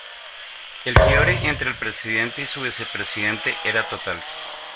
El quiebre entre el presidente y su vicepresidente era total.